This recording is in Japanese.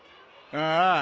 ああ。